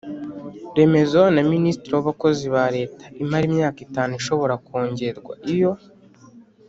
Remezo na minisitiri w abakozi ba leta imara imyaka itanu ishobora kongerwa iyo